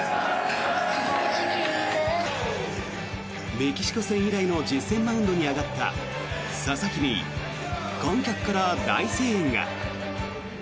メキシコ戦以来の実戦マウンドに上がった佐々木に観客から大声援が。